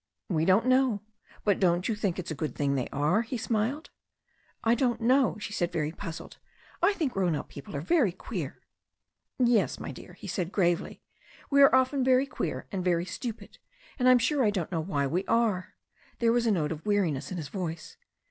"We don't know. But don't you think it's a good thing they are?" He smiled. "I don't know," she said, very puzzled. I think grown up people are very queer." "Yes, my dear," he said gravely, "we are often very queer and very stupid, and I'm sure I don't know why we are." There was a note of weariness in his voice.